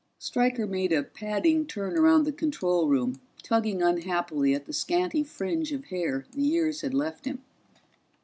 Stryker made a padding turn about the control room, tugging unhappily at the scanty fringe of hair the years had left him.